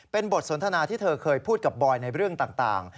เป็นบทสนทนาที่เธอเคยพูดกับบอยในเรื่องต่าง